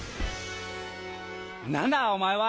なんだおまえは。